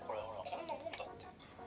「こんなもんだって」